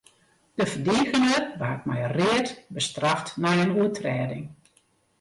De ferdigener waard mei read bestraft nei in oertrêding.